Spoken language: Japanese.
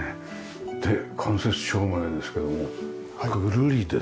で間接照明ですけどもぐるりですね。